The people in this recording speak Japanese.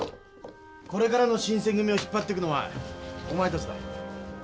これからの新選組を引っ張っていくのはお前たちだ。